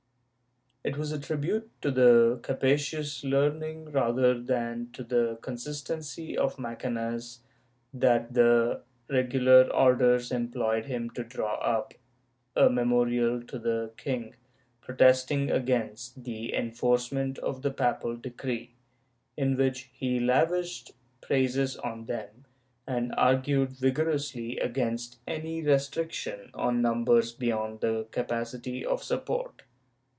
^ It was a tribute to the capacious learning rather than to the consistency of Macanaz that the Regular Orders employed him to draw up a memorial to the king, protesting against the enforcement of the papal decree, in which he lavished praises on them, and argued vigorously against any restriction on numbers beyond the capacity of support.